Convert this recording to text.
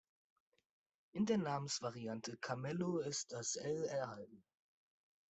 In der Namensvariante Carmelo ist das «l» erhalten.